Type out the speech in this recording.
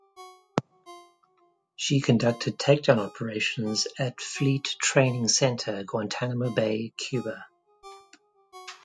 She conducted shakedown operations at Fleet Training Center, Guantanamo Bay, Cuba.